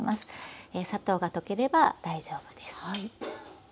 砂糖が溶ければ大丈夫です。